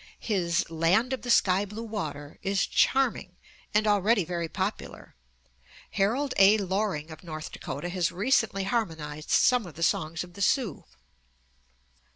His "Land of the Sky Blue Water" is charming, and already very popular. Harold A. Loring of North Dakota has recently harmonized some of the songs of the Sioux.